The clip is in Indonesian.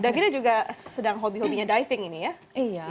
davina juga sedang hobi hobinya diving ini ya